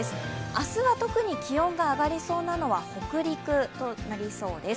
明日は特に気温が上がりそうなのは北陸となりそうです。